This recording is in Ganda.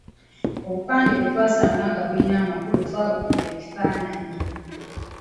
Obupande bwe twasanga nga bulina amakulu twabukuba ebifaananyi.